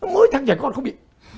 mỗi thằng trẻ con không bị